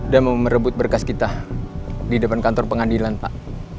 dan mau merebut berkas kita di depan kantor pengadilan pak